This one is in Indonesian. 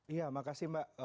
ya makasih mbak